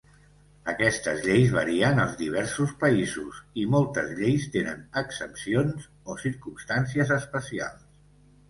Aquestes lleis varien als diversos països i moltes lleis tenen exempcions o circumstàncies especials.